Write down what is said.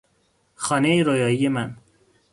خانهی رویایی من